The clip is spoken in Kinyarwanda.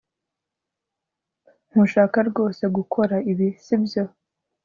ntushaka rwose gukora ibi, sibyo